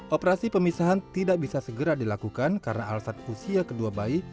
operasi pemisahan tidak bisa segera dilakukan karena alasan usia kedua bayi